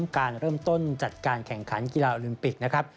การเริ่มต้นจัดการแข่งขันกีฬาโอลิมปิกนะครับ